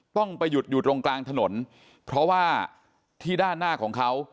ต้องไปหยุดอยู่ตรงกลางถนนเพราะว่าที่ด้านหน้าของเขา